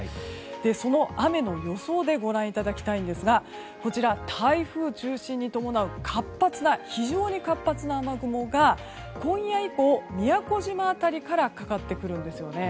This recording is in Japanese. その雨の予想でご覧いただきたいんですがこちら、台風中心に伴う非常に活発な雨雲が今夜以降、宮古島辺りからかかってくるんですね。